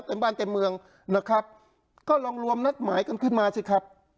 เต็มบ้านเต็มเมืองนะครับก็ลองรวมนัดหมายกันขึ้นมาสิครับ